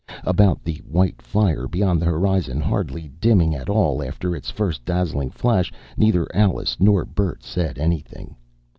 About the white fire beyond the horizon, hardly dimming at all after its first dazzling flash, neither Alice nor Bert said anything.